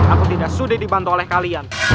aku tidak sudah dibantu oleh kalian